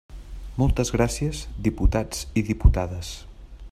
Moltes gràcies, diputats i diputades.